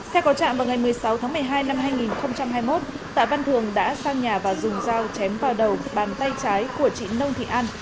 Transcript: theo có trạm vào ngày một mươi sáu tháng một mươi hai năm hai nghìn hai mươi một tạ văn thường đã sang nhà và dùng dao chém vào đầu bàn tay trái của chị nông thị an